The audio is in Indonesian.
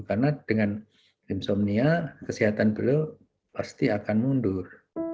karena dengan insomnia kesehatan beliau pasti akan mundur